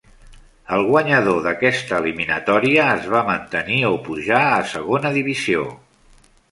El guanyador d'aquesta eliminatòria es va mantenir o pujar a segona divisió.